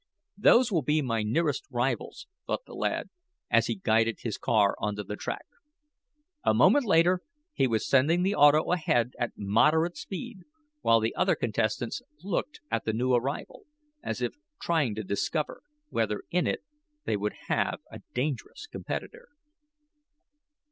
"Those will be my nearest rivals," thought the lad, as he guided his car onto the track. A moment later he was sending the auto ahead at moderate speed, while the other contestants looked at the new arrival, as if trying to discover whether in it they would have a dangerous competitor.